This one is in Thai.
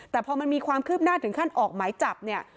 แต่พอมันมีความคืบหน้าถึงขั้นออกหมายจับเนี่ย